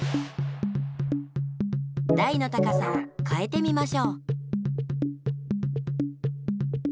だいの高さをかえてみましょう。